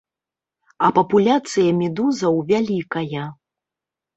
А папуляцыя медузаў вялікая.